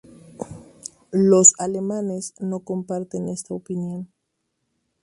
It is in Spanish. Los alemanes no comparten esta opinión.